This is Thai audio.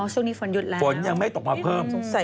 ช่วงนี้ฝนหยุดแล้วไม่ทำบุร่งสุร